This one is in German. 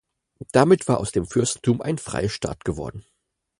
Damit war aus dem Fürstentum ein Freistaat geworden.